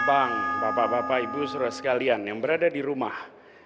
bang bapak bapak ibu saudara sekalian yang berada di rumah